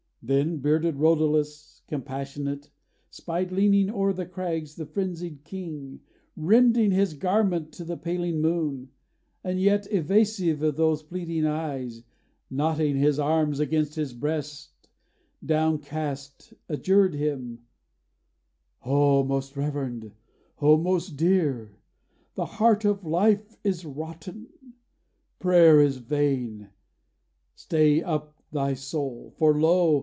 Then bearded Rhodalus, compassionate, Spied leaning o'er the crags the frenzied king, Rending his garment to the paling moon; And yet evasive of those pleading eyes, Knotting his arms against his breast, downcast, Adjured him: 'O most reverend, O most dear! The heart of life is rotten; prayer is vain. Stay up thy soul: for lo!